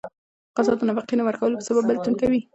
قضا د نفقې نه ورکولو په سبب بيلتون کوي.